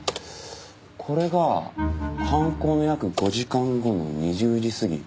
これが犯行の約５時間後の２０時過ぎ。